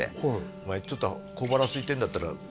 「お前ちょっと小腹すいてんだったら」